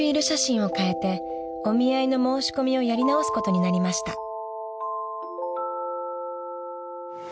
写真をかえてお見合いの申し込みをやり直すことになりました］